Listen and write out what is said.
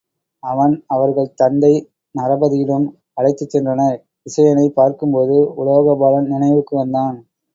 அவன் அவர்கள் தந்தை நரபதியிடம் அழைத்துச் சென்றனர் விசயனைப் பார்க்கும்போது உலோகபாலன் நினைவுக்கு வந்தான்.